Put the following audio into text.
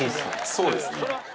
そうですね。